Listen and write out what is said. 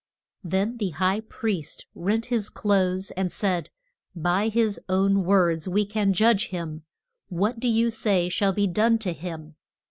Then the high priest rent his clothes, and said, By his own words we can judge him. What do you say shall be done to him?